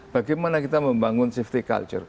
bagaimana kita membangun safety culture